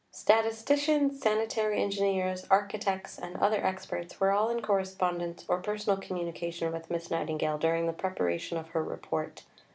Statisticians, sanitary engineers, architects, and other experts were all in correspondence or personal communication with Miss Nightingale during the preparation of her Report.